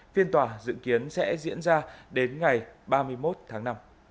phiên tòa dự kiến sẽ diễn ra đến ngày ba mươi một tháng năm